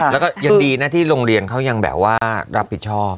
แล้วก็ยังดีนะที่โรงเรียนเขายังแบบว่ารับผิดชอบ